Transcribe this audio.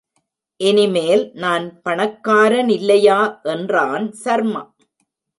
இனிமேல் நான் பணக்காரனில்லையா என்றான் சர்மா.